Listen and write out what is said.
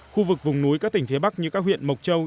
khu vực vùng núi các tỉnh phía bắc như các huyện mộc châu